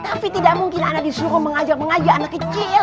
tapi tidak mungkin ana disuruh mengajian mengajian anak kecil